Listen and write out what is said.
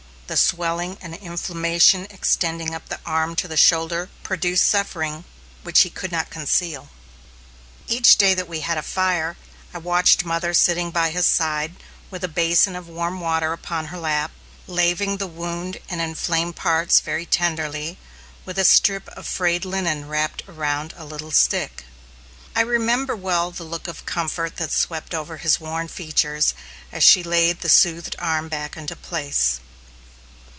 The swelling and inflammation extending up the arm to the shoulder produced suffering which he could not conceal. Each day that we had a fire, I watched mother sitting by his side, with a basin of warm water upon her lap, laving the wounded and inflamed parts very tenderly, with a strip of frayed linen wrapped around a little stick. I remember well the look of comfort that swept over his worn features as she laid the soothed arm back into place.